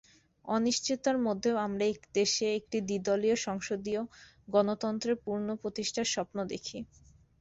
অনিশ্চয়তার মধ্যেও আমরা দেশে একটি দ্বিদলীয় সংসদীয় গণতন্ত্রের পুনঃপ্রতিষ্ঠার স্বপ্ন দেখি।